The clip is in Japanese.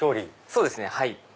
そうですねはい。